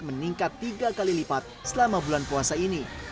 meningkat tiga kali lipat selama bulan puasa ini